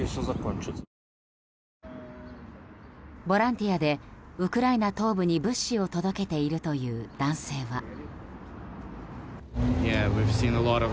ボランティアでウクライナ東部に物資を届けているという男性は。